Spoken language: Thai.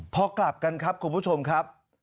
พอกลับกันครับคุณผู้ชมครับ